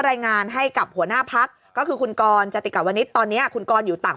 รายงานให้กับหัวหน้าพักก็คือคุณกรจติกาวนิตตอนนี้คุณกรอยู่ต่าง